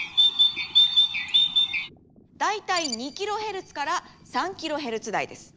大体２キロヘルツから３キロヘルツ台です。